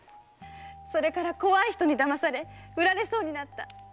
それから怖い人に騙され売られそうになった。